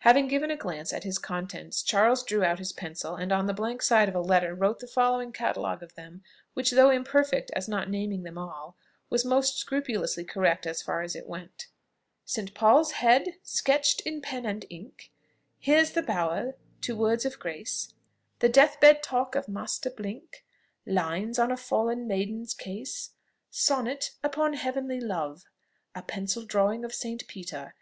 Having given a glance at its contents, Charles drew out his pencil, and on the blank side of a letter wrote the following catalogue of them, which, though imperfect as not naming them all, was most scrupulously correct as far as it went: "Saint Paul's head, sketched in pen and ink; 'Here's the bower,' to words of grace; The death bed talk of Master Blink; Lines on a fallen maiden's case. Sonnet upon heavenly love; A pencil drawing of Saint Peter.